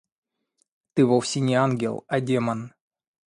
Ты вовсе не ангел, а демон.